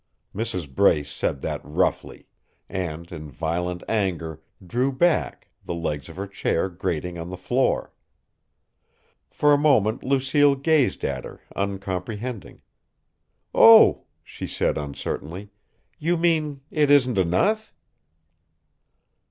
Mrs. Brace said that roughly; and, in violent anger, drew back, the legs of her chair grating on the floor. For a moment Lucille gazed at her, uncomprehending. "Oh!" she said, uncertainly. "You mean it isn't enough?"